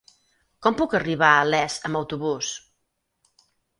Com puc arribar a Les amb autobús?